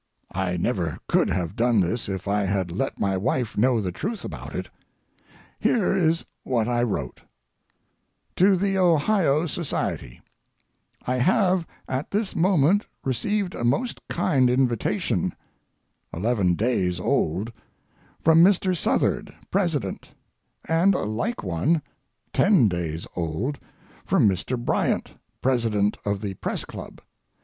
I never could have done this if I had let my wife know the truth about it. Here is what I wrote: TO THE OHIO SOCIETY, I have at this moment received a most kind invitation (eleven days old) from Mr. Southard, president; and a like one (ten days old) from Mr. Bryant, president of the Press Club.